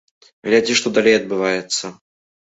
Глядзі, што далей адбываецца.